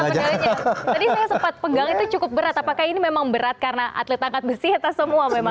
tadi saya sempat pegang itu cukup berat apakah ini memang berat karena atlet angkat besi atau semua memang